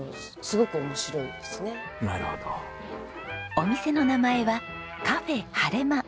お店の名前はカフェはれま。